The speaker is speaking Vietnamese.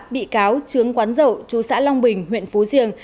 bị cáo trướng quán dậu chú xã long bình huyện phú riêng